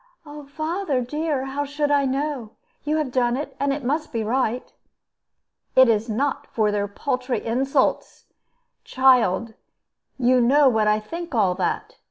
"Father dear, how should I know? You have done it, and it must be right." "It is not for their paltry insults. Child, you know what I think all that.